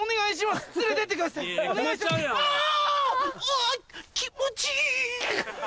あ気持ちいい。